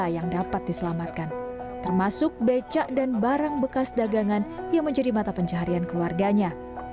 yang dapat diselamatkan termasuk becak dan barang bekas dagangan yang menjadi mata pencaharian keluarganya